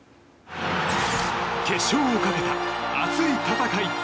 決勝をかけた熱い戦い。